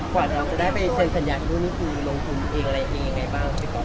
กว่าจะได้ไปเซ็นสัญญาที่ด้วยนี่คือลงทุนเองอะไรเองไงบ้าง